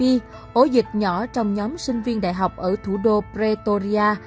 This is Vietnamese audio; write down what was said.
một số bệnh nhân mắc covid một mươi chín trong nhóm sinh viên đại học ở thủ đô pretoria